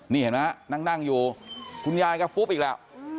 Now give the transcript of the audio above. นี่เห็นไหมนั่งอยู่คุณยายก็ฟุบอีกแล้ว